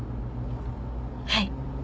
はい